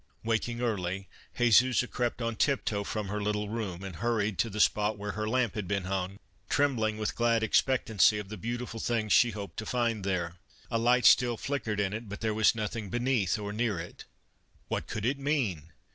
Waking early, Jesusa crept on tip toe from her little room and hurried to the spot where her lamp Christmas under Three nags had been hung, trembling with glad expectancy of the beautiful things she hoped to find there. A light still flickered in it, but there was nothing beneath or near it. What could it mean